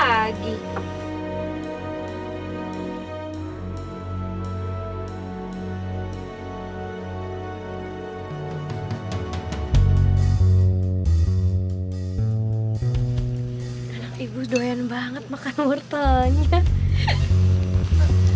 anak ibu doyan banget makan wortelnya